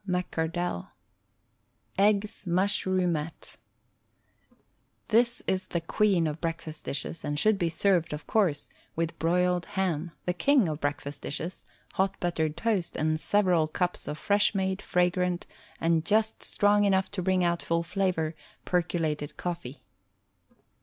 McCardell "EGGS MUSHROOMETTE" This is the queen of breakfast dishes and should be served, of course, with broiled ham, the king of breakfast dishes, hot buttered toast, and several cups of fresh made, fragrant and just strong enough to bring out fuU flavor, percolated coffee!